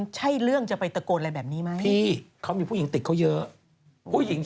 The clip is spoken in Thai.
เชื่อไหมนี่งง